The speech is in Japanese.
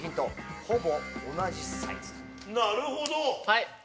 はい！